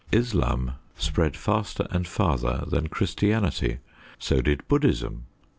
Islam spread faster and farther than Christianity. So did Buddhism.